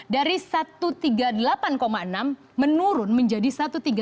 dari satu ratus tiga puluh delapan dolar itu adalah sebuah penurunan yang sangat besar